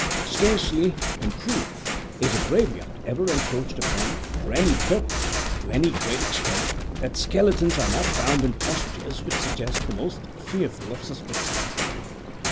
Scarcely, in truth, is a graveyard ever encroached upon, for any purpose, to any great extent, that skeletons are not found in postures which suggest the most fearful of suspicions.